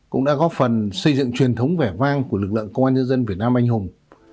cũng đã góp phần xây dựng truyền thống vẻ vang của lực lượng công an nhân dân việt nam anh hùng